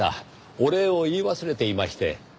お礼を言い忘れていまして。